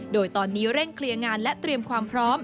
โดยตอนนี้เร่งเคลียร์งานและเตรียมความพร้อม